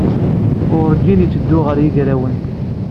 Werǧin yetteddu ɣer yigrawen.